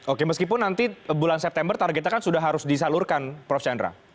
oke meskipun nanti bulan september targetnya kan sudah harus disalurkan prof chandra